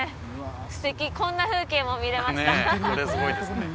素敵こんな風景も見れましたね